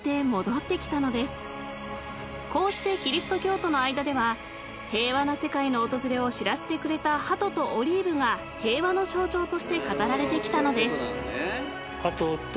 ［こうしてキリスト教徒の間では平和な世界の訪れを知らせてくれたハトとオリーブが平和の象徴として語られてきたのです］